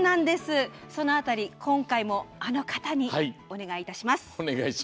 その辺り今回もあの方にお願いします。